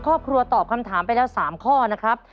ครอบครัวตอบคำถามไปแล้ว๓ข้อนะครับ